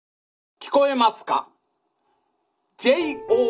「聞こえますか。